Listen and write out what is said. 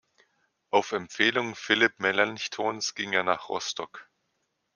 Auf Empfehlung Philipp Melanchthons ging er nach Rostock.